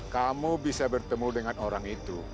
kamu bisa bertemu dengan orang itu